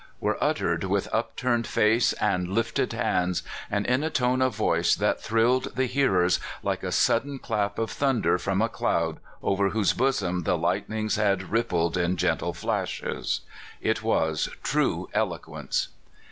" were uttered with upturned face and lifted hands, and in a tone of voice that thrilled the hearers like a sudden clap of thunder from a cloud over whose bosom the lightnings had rippled in gentle flashes, It was true eloquence.